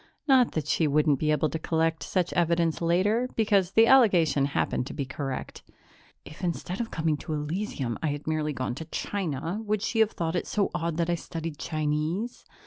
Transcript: Not that she wouldn't be able to collect such evidence later, because the allegation happened to be correct. _If, instead of coming to Elysium, I had merely gone to China, would she have thought it so odd that I studied Chinese?